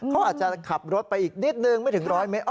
เขาอาจจะขับรถไปอีกนิดนึงไม่ถึง๑๐๐เมตร